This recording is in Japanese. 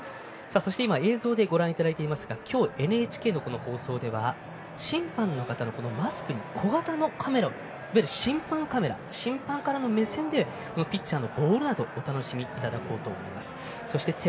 映像でご覧いただいていますが今日、ＮＨＫの放送では審判の方のマスクに小型のカメラいわゆる審判カメラ審判からの目線でお楽しみいただきたいと思います。